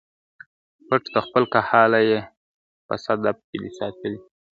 پت د خپل کهاله یې په صدف کي دی ساتلی ,